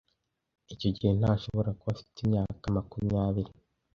Icyo gihe ntashobora kuba afite imyaka makumyabiri.